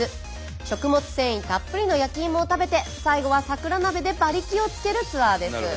食物繊維たっぷりの焼きいもを食べて最後は桜鍋で馬力をつけるツアーです。